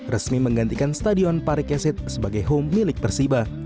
resmi menggantikan stadion parikesit sebagai home milik persiba